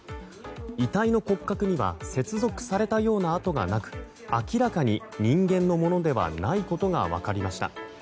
遺体の骨格には接続されたような跡がなく明らかに人間のものではないことが分かりました。